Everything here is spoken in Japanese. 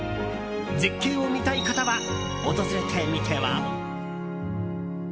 絶景を見たい方は訪れてみては？